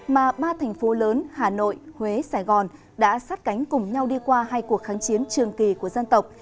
mà ba thành phố lớn hà nội huế sài gòn đã sát cánh cùng nhau đi qua hai cuộc kháng chiến trường kỳ của dân tộc